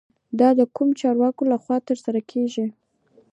دا د کومو چارواکو له خوا ترسره کیږي؟